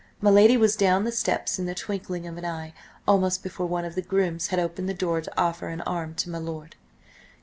My lady was down the steps in the twinkling of an eye, almost before one of the grooms had opened the door to offer an arm to my lord.